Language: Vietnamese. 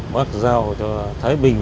bác giao cho thái bình